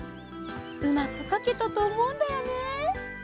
うまくかけたとおもうんだよね。